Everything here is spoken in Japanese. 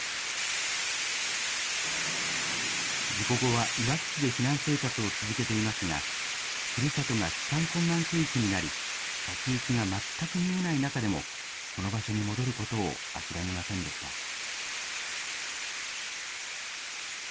事故後はいわき市で避難生活を続けていますが、ふるさとが帰還困難区域になり、先行きが全く見えない中でもこの場所に戻ることを諦めませんでした。